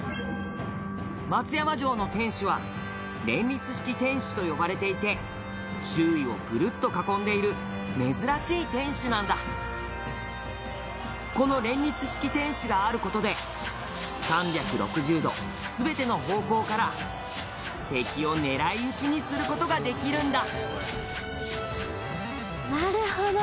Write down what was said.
松山城の天守は「連立式天守」と呼ばれていて周囲をぐるっと囲んでいる珍しい天守なんだこの連立式天守がある事で３６０度、全ての方向から敵を狙い撃ちにする事ができるんだなるほど！